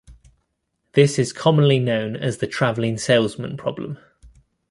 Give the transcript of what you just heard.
This is commonly known as the traveling salesman problem.